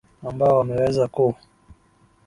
ambao wameweza ku